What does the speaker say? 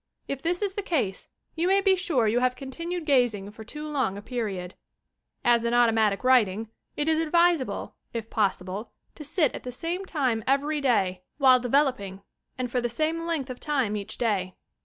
If this is the case you may be sure you have continued gazing for too long a period. As in automatic writing, it is advisable, if possible, to sit at the same time every day, while develop 150 YOUR PSYCHIC POWERS ing and for the same length of time each day.